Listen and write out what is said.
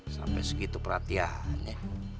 sampai segitu perhatiannya